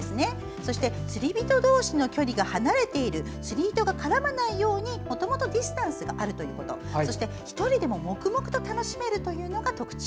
そして釣り人同士の距離が離れている釣り糸が絡まないようにもともとディスタンスがあるということそして１人でも黙々と楽しめるというのが特徴。